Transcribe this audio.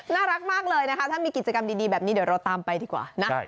น่ารักมากเลยนะคะถ้ามีกิจกรรมดีแบบนี้เดี๋ยวเราตามไปดีกว่านะ